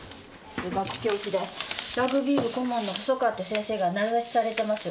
数学教師でラグビー部顧問の細川って先生が名指しされてます。